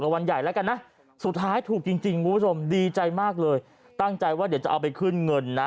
วันใหญ่แล้วกันนะสุดท้ายถูกจริงจริงคุณผู้ชมดีใจมากเลยตั้งใจว่าเดี๋ยวจะเอาไปขึ้นเงินนะ